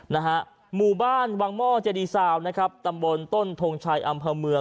นะฮะหมู่บ้านวังหม้อเจดีซาวนะครับตำบลต้นทงชัยอำเภอเมือง